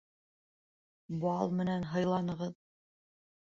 Бал менән һыйланығыҙ